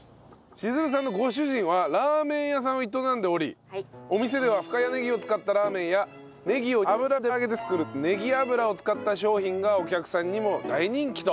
千鶴さんのご主人はラーメン屋さんを営んでおりお店では深谷ねぎを使ったラーメンやねぎを油で揚げて作るねぎ油を使った商品がお客さんにも大人気と。